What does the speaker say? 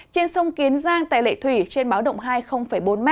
trên sông kiến giang tại lệ thủy trên báo động hai bốn m